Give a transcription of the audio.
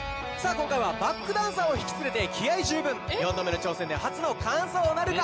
今回はバックダンサーを引き連れて気合十分４度目の挑戦で初の完奏なるか？